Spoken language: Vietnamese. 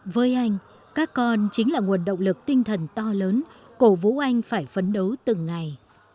với anh các con chính là nguồn động lực tinh thần to lớn cổ vũ anh phải phấn đấu từng ngày